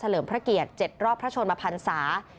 ลิมพระเกียรติ๗รอบพระชนมพันศา